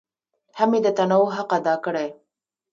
هم یې د تنوع حق ادا کړی.